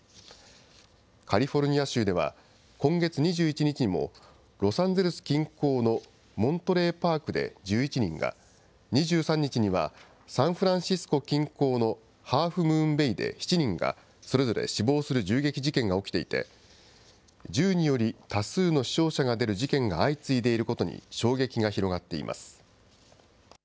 カリフォルニア州では、今月２１日にも、ロサンゼルス近郊のモントレーパークで１１人が、２３日にはサンフランシスコ近郊のハーフムーンベイで７人がそれぞれ死亡する銃撃事件が起きていて、銃により多数の死傷者が出る事件が相次いでいることに衝撃が広がっています。